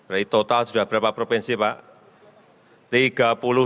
jadi total sudah berapa provinsi pak